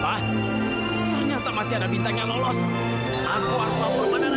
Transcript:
hah ternyata masih ada bintang yang lolos aku harus ngomong pada raja